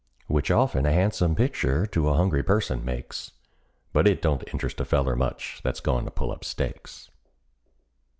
Which often a han'some pictur' to a hungry person makes, But it don't interest a feller much that's goin' to pull up stakes.